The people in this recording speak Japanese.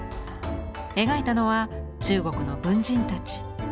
描いたのは中国の文人たち。